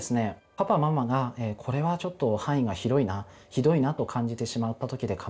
パパママが「これはちょっと範囲が広いな」「ひどいな」と感じてしまったときでかまいません。